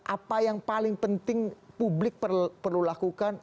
apa yang paling penting publik perlu lakukan